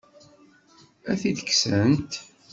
Ad t-id-kksent?